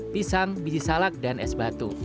pisang biji salak dan es batu